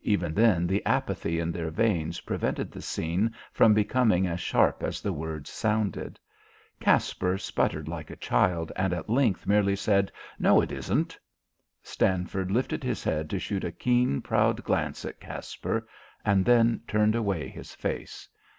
Even then the apathy in their veins prevented the scene from becoming as sharp as the words sounded. Caspar sputtered like a child, and at length merely said: "No, it isn't." Stanford lifted his head to shoot a keen, proud glance at Caspar, and then turned away his face.